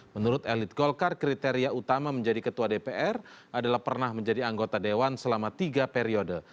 menurut elit golkar kriteria utama menjadi ketua dpr adalah pernah menjadi anggota dewan selama tiga periode